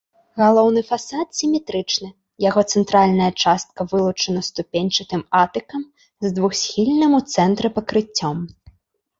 Галоўны фасад сіметрычны, яго цэнтральная частка вылучана ступеньчатым атыкам з двухсхільным у цэнтры пакрыццём.